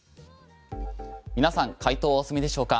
皆さん回答はお済みでしょうか？